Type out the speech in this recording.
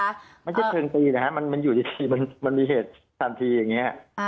มันไม่ใช่เพิ่งตีนะครับมันอยู่ดีมันมีเหตุทันทีอย่างนี้